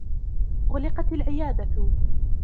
أُغلقت العيادة.